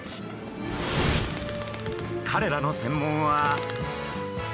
彼らの専門は。